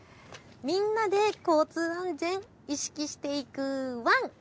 みんなで交通安全意識していくワン！